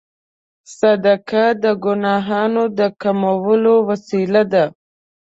صدقه د ګناهونو د کمولو وسیله ده.